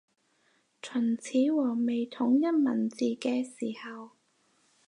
秦始皇未統一文字嘅時候